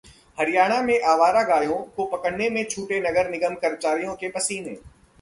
हरियाणा में आवारा गायों को पकड़ने में छूटे नगर निगम कर्मचारियों के पसीने